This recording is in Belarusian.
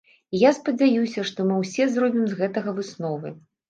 І я спадзяюся, што мы ўсе зробім з гэтага высновы.